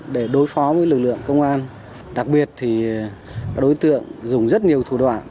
với lực lượng công an đặc biệt thì các đối tượng dùng rất nhiều thủ đoạn